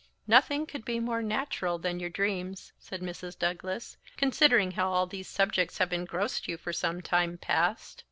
"Nothing could be more natural than you dreams," said Mrs. Douglas, "considering how all these subjects have engrossed you for some time past.